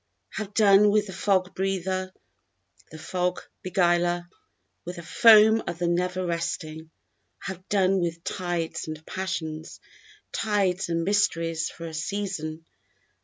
_ _Have done with the fog breather, the fog beguiler; With the foam of the never resting. Have done with tides and passions, tides and mysteries for a season.